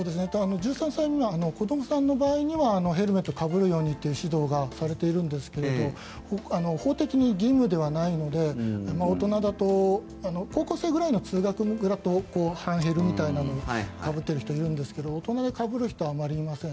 １３歳未満のお子さんにはヘルメットかぶるようにという指導がされてるんですが法的に義務ではないので大人だと高校生くらいの通学だと半ヘルみたいなのをかぶっている人を見るんですけど大人でかぶる人はあまりいません。